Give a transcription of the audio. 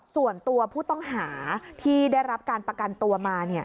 ส่วนตัวผู้ต้องหาที่ได้รับการประกันตัวมา